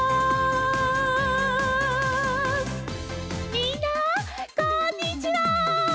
みんなこんにちは。